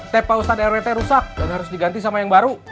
teh pausan rwt rusak dan harus diganti sama yang baru